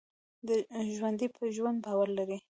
ژوندي په ژوند باور لري